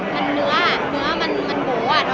มันเหนือมันโกะ